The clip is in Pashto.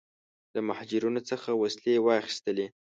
له مهاجرینو څخه وسلې واخیستلې.